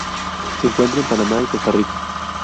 Se encuentra en Panamá y Costa Rica.